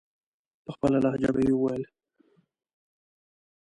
په خپله لهجه به یې ویل.